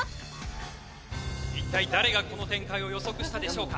一体誰がこの展開を予測したでしょうか。